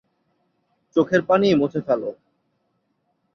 চোখের পানি মুছে ফেল।